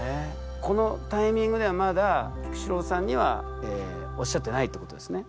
このタイミングではまだ菊紫郎さんにはおっしゃってないってことですね？